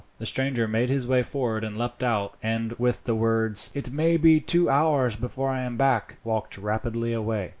The stranger made his way forward and leapt out, and with the words, "It may be two hours before I am back," walked rapidly away.